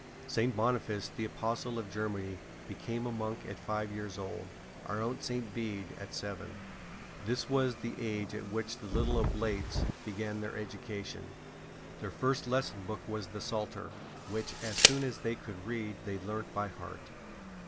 7S ST. BENEDICT St. Boniface, the Apostle of Germany, be came a monk at five years old, our own St. Bede at seven. This was the age at which the little oblates began their education. Their first lesson book was the Psalter, which, as soon as they could read, they learnt by heart.